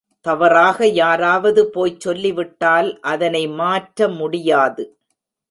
தவறாக யாராவது போய்ச் சொல்லிவிட்டால் அதனை மாற்ற முடியாது.